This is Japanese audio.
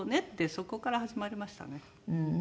そこから始まりましたね。